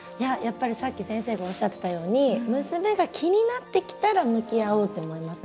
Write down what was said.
さっき先生がおっしゃってたように娘が気になってきたら向き合おうと思います。